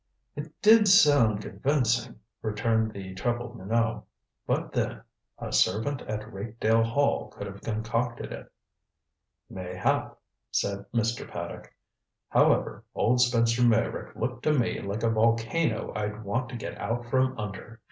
"It did sound convincing," returned the troubled Minot. "But then a servant at Rakedale Hall could have concocted it." "Mayhap," said Mr. Paddock. "However, old Spencer Meyrick looked to me like a volcano I'd want to get out from under.